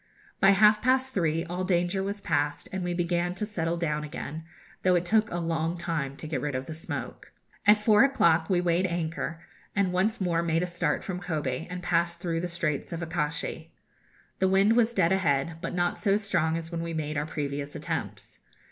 By half past three all danger was past, and we began to settle down again, though it took a long time to get rid of the smoke. At four o'clock we weighed anchor, and once more made a start from Kobe, and passed through the Straits of Akashi. The wind was dead ahead, but not so strong as when we made our previous attempts.